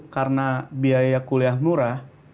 karena biaya kuliah murah